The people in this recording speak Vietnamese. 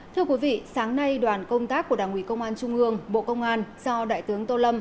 thưa quý vị sáng nay đoàn công tác của đảng ủy công an trung ương bộ công an do đại tướng tô lâm